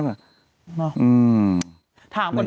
ถามคนอีกกว่าไม่เห็น